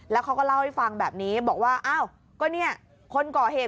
แล้วเขาก็เล่าให้ฟังแบบนี้บอกว่าอ้าวก็เนี่ยคนก่อเหตุ